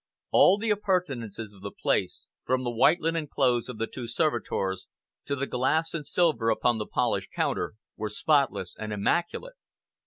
All the appurtenances of the place, from the white linen clothes of the two servitors to the glass and silver upon the polished counter, were spotless and immaculate.